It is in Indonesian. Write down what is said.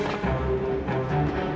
ya allah gimana ini